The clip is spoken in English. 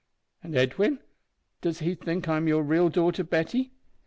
"And Edwin does he think that I am your real daughter Betty?"